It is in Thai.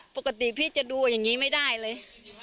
ปกติพี่จะดูอย่างนี้ไม่ได้เลย